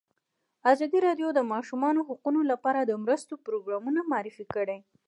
ازادي راډیو د د ماشومانو حقونه لپاره د مرستو پروګرامونه معرفي کړي.